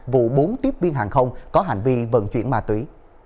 vụ bốn tiếp viên hàng không có hành vi vận chuyển ma túy